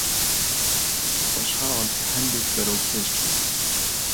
خۆشحاڵم کە هەندێک بەرەو پێش چووین.